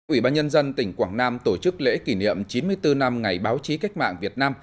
ủy ban nhân dân tỉnh quảng nam tổ chức lễ kỷ niệm chín mươi bốn năm ngày báo chí cách mạng việt nam